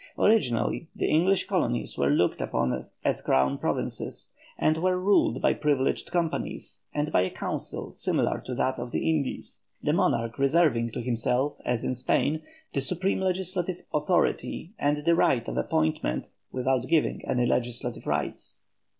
Originally the English colonies were looked upon as Crown provinces, and were ruled by privileged companies, and by a Council similar to that of the Indies, the monarch reserving to himself, as in Spain, the supreme legislative authority and the right of appointment, without giving any legislative rights.